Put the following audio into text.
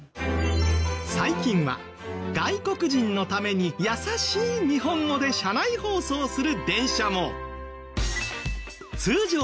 最近は外国人のために易しい日本語で車内放送する電車も。